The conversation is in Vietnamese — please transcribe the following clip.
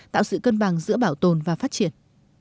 tạo sự cân bằng giữa bảo tồn và phát triển